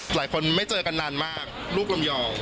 หลายคนไม่เจอกันนานมากลูกลำยอง